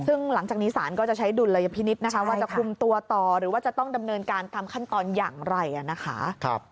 ซึ่งหลังจากนี้ศาลก็จะใช้ดุลยพินิษฐ์นะคะว่าจะคุมตัวต่อหรือว่าจะต้องดำเนินการตามขั้นตอนอย่างไรนะคะ